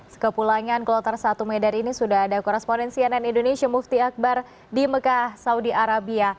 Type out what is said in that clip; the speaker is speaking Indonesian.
sekepulangan kloter satu medan ini sudah ada koresponen cnn indonesia mufti akbar di mekah saudi arabia